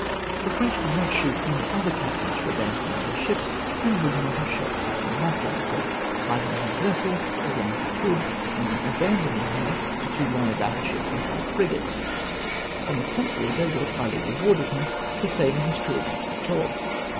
The French did not shoot any of the other captains for abandoning their ships, and would not have shot Captain Lafon for fighting his vessel as long as he could, and then abandoning her to two line of battle ships and five frigates. On the contrary, they would have highly rewarded him, for saving his crew against such odds.